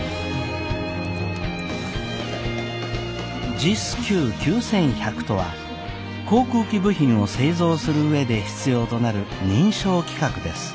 ＪＩＳＱ９１００とは航空機部品を製造する上で必要となる認証規格です。